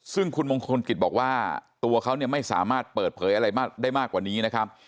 ซึ่งคุณมงคลกิจบอกว่าตัวเขาเนี่ยไม่สามารถเปิดเผยอะไรได้มากกว่านี้นะครับ